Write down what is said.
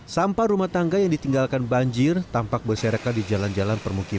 sampah rumah tangga yang ditinggalkan banjir tampak bersereka di jalan jalan permukiman